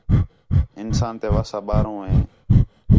اِنسان تے وَس آ ٻاہروں ہے